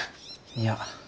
いや。